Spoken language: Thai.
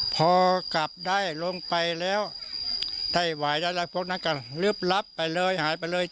พอกลับได้ลงไปแล้วไต้หวายได้แล้วพวกนั้นก็ลึกลับไปเลยหายไปเลย